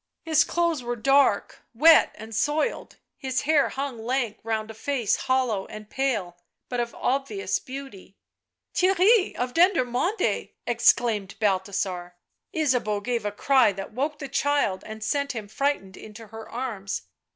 His clothes were dark, wet and soiled, his hair hung lank round a face hollow and pale but of obvious beauty. " Theirry of Dendermonde !" exclaimed Balthasar. Ysabeau gave a cry that woke the child and sent him frightened into her arms.